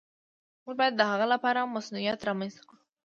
موږ باید د هغه لپاره مصونیت رامنځته کړو.